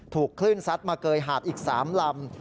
ถูกคลื่นซัดมาเกยหาดอีก๓ลำ